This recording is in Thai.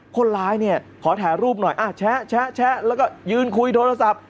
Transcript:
คนร้ายเนี่ยขอถ่ายรูปหน่อยแชะแล้วก็ยืนคุยโทรศัพท์